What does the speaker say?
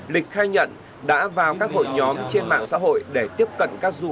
lịch khai nhận đã vào các hội nhóm trên mạng xã hội để tiếp cận các du khách